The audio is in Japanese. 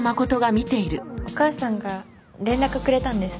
お母さんが連絡くれたんです。